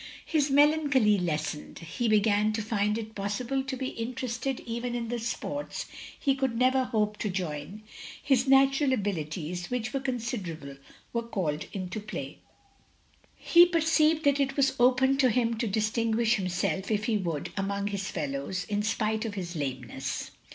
His melancholy lessened; he began to find it OP GROSVENOR SQUARE 231 possible to be interested even in the sports he could never hope to join; his natural abilities, which were considerable, were called into play; he perceived that it was open to him to distinguish himself if he would among his fellows, in spite of his lameness.